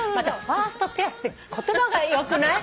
ファーストピアスって言葉がよくない？